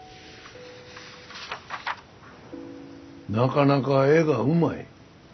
なかなか絵がうまい。